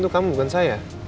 itu kamu bukan saya